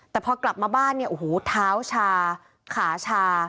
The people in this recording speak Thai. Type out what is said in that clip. แต่พอกลับมาบ้านโอ้โฮท้าวชาขาชา